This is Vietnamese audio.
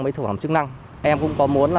mấy thủ phẩm chức năng em cũng có muốn